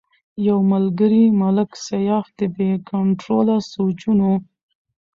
يو ملکري ملک سياف د بې کنټروله سوچونو